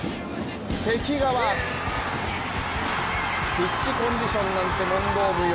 ピッチコンディションなんて問答無用。